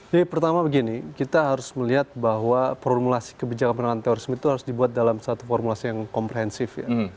jadi pertama begini kita harus melihat bahwa formulasi kebijakan penerangan terorisme itu harus dibuat dalam satu formulasi yang komprehensif ya